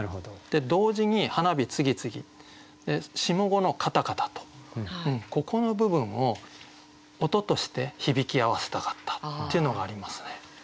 で同時に「花火つぎつぎ」下五の「かたかたと」ここの部分を音として響き合わせたかったっていうのがありますね。